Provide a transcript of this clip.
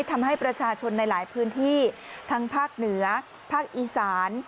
ทำให้ประชาชนในหลายพื้นที่ทั้งภาคเหนือภาคอีสาน